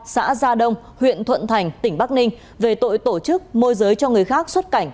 xã gia đông huyện thuận thành tỉnh bắc ninh về tội tổ chức môi giới cho người khác xuất cảnh